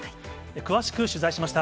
詳しく取材しました。